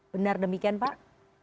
benar demikian pak